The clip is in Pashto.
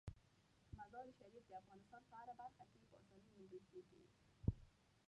مزارشریف د افغانستان په هره برخه کې په اسانۍ موندل کېږي.